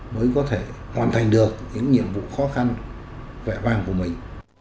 mới có thể hoàn thành được những nhiệm vụ khó khăn vệ vang của mình